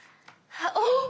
お！